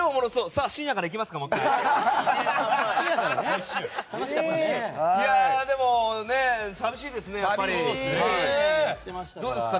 さあ、深夜からもう１回行きますか。